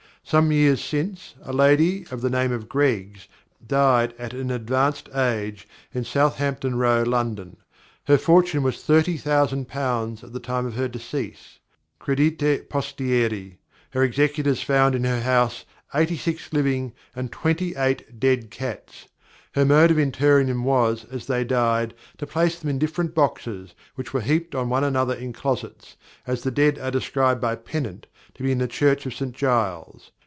Some Years since, a Lady of the name of Greggs, died at an advanced Age, in Southampton Row, London. Her fortune was Thirty Thousand Pounds, at the Time of her Decease. Credite Posteri! her Executors found in her House Eighty six living, and Twenty eight dead Cats. Her Mode of Interring them, was, as they died, to place them in different Boxes, which were heaped on one another in Closets, as the Dead are described by Pennant, to be in the Church of St. Giles.